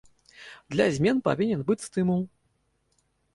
Для змен павінен быць стымул.